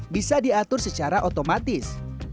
bisa diatur secara otomatis